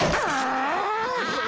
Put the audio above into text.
ああ。